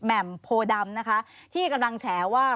แหม่มโพดำนะคะที่กำลังแฉว่า